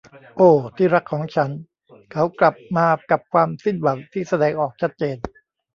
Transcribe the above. โอ้ ที่รักของฉัน เขากลับมากับความสิ้นหวังที่แสดงออกชัดเจน